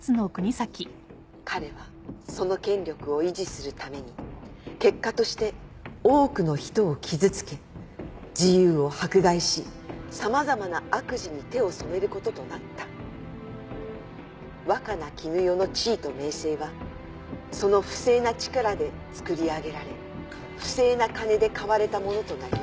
「彼はその権力を維持するために結果として多くの人を傷つけ自由を迫害し様々な悪事に手を染めることとなった」「若菜絹代の地位と名声はその不正な力でつくり上げられ不正な金で買われたものとなりました」